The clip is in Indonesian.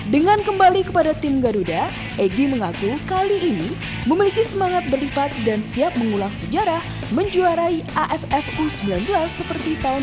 dengan kembali kepada tim garuda egy mengaku kali ini memiliki semangat berlipat dan siap mengulang sejarah menjuarai aff u sembilan belas seperti tahun dua ribu